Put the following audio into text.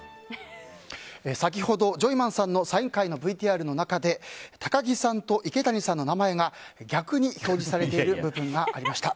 先ほど、ジョイマンさんのサイン会のＶＴＲの中で高木さんと池谷さんの名前が逆に表示されている部分がありました。